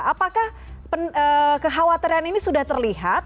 apakah kekhawatiran ini sudah terlihat